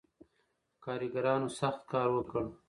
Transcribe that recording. کارګرانو سخت کار وکړ.